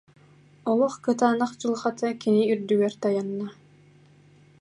Олох кытаанах дьылҕата кини үрдүгэр тайанна